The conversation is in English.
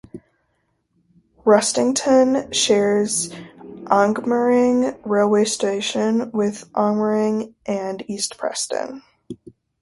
Rustington shares Angmering railway station with Angmering and East Preston.